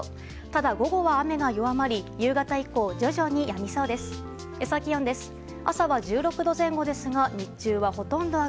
ただ、午後は雨が弱まり夕方以降、徐々にやみそうです。